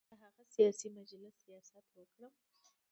د هغه سیاسي مجلس ریاست وکړم.